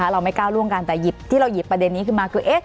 เราไม่ก้าวล่วงกันแต่หยิบที่เราหยิบประเด็นนี้ขึ้นมาคือ